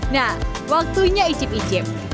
nah waktunya icip icip